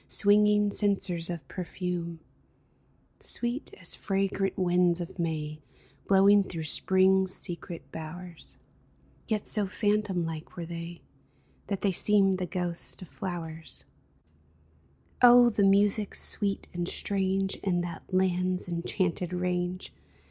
Swinging censers of perfume Sweet as fragrant winds of May Blowing through spring's secret bowers ; Yet so phantom like were they That they seemed the ghosts of flowers. 298 A DREAM OF SONGS UNSUNG Oh, the music sweet and strange In that land's enchanted range